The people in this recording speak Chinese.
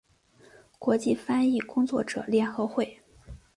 国际翻译工作者联合会